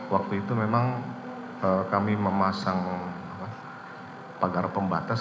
waktu itu memang kami memasang pagar pembatas